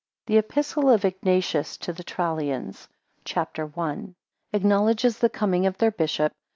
THE EPISTLE OF IGNATIUS TO THE TRALLIANS. CHAPTER 1. 1 Acknowledges the coming of their bishop.